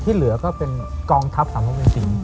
ที่เหลือก็เป็นกองทัพ๓๑สิง